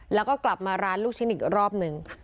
แล้วก็กลับมาร้านลูกชิ้นอีกรอบหนึ่ง